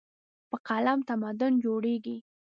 په قلم تمدن جوړېږي.